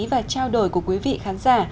và trao đổi của quý vị khán giả